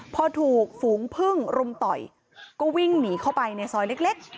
พอถูกฝูงพึ่งรุมต่อยก็วิ่งหนีเข้าไปในซอยเล็ก